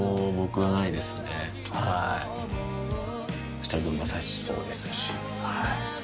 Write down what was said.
２人とも優しそうですし。